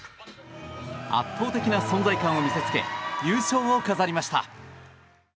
圧倒的な存在感を見せつけ優勝を飾りました。